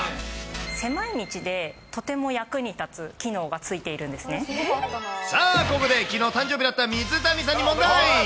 狭い道で、とても役に立つ機さあ、ここできのう誕生日だった水谷さんに問題。